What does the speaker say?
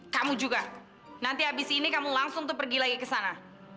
kamu juga nanti habis ini kamu langsung tuh pergi lagi ke sana